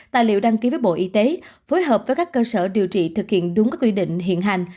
tài liệu đăng ký với bộ y tế phối hợp với các cơ sở điều trị thực hiện đúng các quy định hiện hành